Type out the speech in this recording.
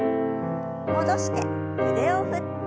戻して腕を振って。